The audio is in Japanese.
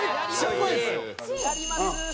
やります！